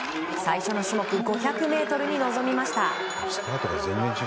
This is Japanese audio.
最初の種目５００ｍに臨みました。